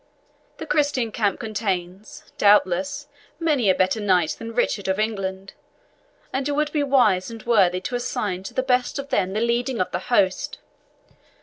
The Christian camp contains, doubtless, many a better knight than Richard of England, and it would be wise and worthy to assign to the best of them the leading of the host.